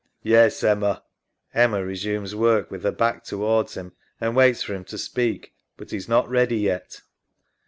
Yes, Emma. [Emma resumes work ivith her back towards him and waits for him to speak. But he is not ready yet.